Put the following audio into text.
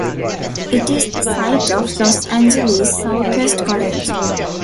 It is the site of Los Angeles Southwest College.